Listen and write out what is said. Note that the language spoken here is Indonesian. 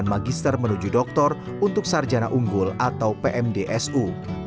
menuju dokter untuk sarjana unggul atau pmdsu